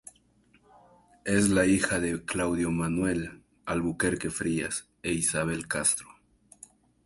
Es hija de Claudio Manuel Alburquerque Frías e Isabel Castro.